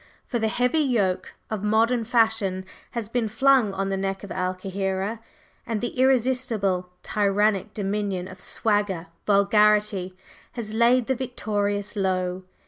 For the heavy yoke of modern fashion has been flung on the neck of Al Kahira, and the irresistible, tyrannic dominion of "swagger" vulgarity has laid The Victorious low.